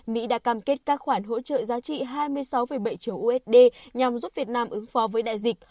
mỹ đã cam kết các khoản hỗ trợ giá trị hai mươi sáu bảy triệu usd nhằm giúp việt nam ứng phó với đại dịch